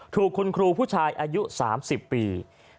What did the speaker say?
ถูกคุณครูผู้ชายอายุ๓๐ปี